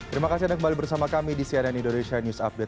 terima kasih anda kembali bersama kami di cnn indonesia news update